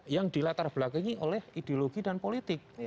yang dilatar belakangi oleh ideologi dan politik